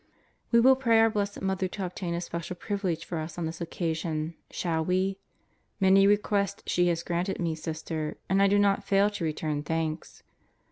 ... We will pray our Blessed Mother to obtain a special privilege for us on this occasion shall we? Many requests she has granted me, Sister; and I do not fail to return thanks.